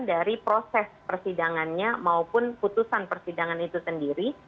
dari proses persidangannya maupun putusan persidangan itu sendiri